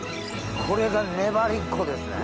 これがねばりっこですね。